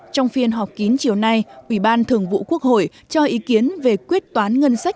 trong phiên họp kín chiều nay ủy ban thường vụ quốc hội cho ý kiến về quyết toán ngân sách